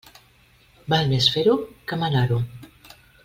Val més fer-ho que manar-ho.